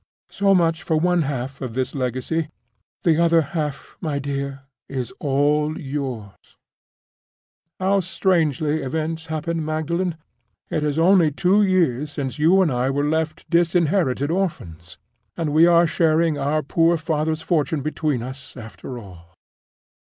So much for one half of this legacy. The other half, my dear, is all yours. How strangely events happen, Magdalen! It is only two years since you and I were left disinherited orphans—and we are sharing our poor father's fortune between us, after all!"